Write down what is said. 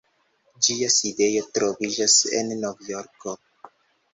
Ĝia sidejo troviĝas en Novjorko.